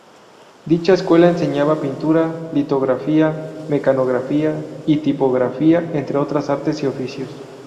Dicha escuela enseñaba pintura, litografía, mecanografía, y tipografía, entre otros artes y oficios.